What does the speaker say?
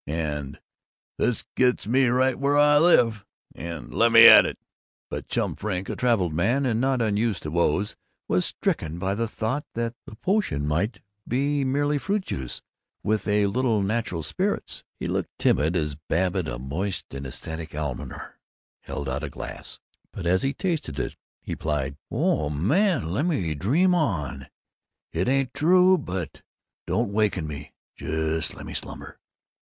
and "This gets me right where I live!" and "Let me at it!" But Chum Frink, a traveled man and not unused to woes, was stricken by the thought that the potion might be merely fruit juice with a little neutral spirits. He looked timorous as Babbitt, a moist and ecstatic almoner, held out a glass, but as he tasted it he piped, "Oh, man, let me dream on! It ain't true, but don't waken me! Jus' lemme slumber!"